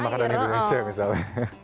makanan makanan indonesia misalnya